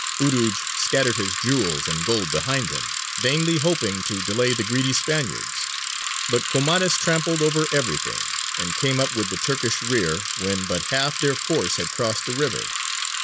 Urūj scattered his jewels and gold behind him, vainly hoping to delay the greedy Spaniards; but Comares trampled over everything, and came up with the Turkish rear when but half their force had crossed the river.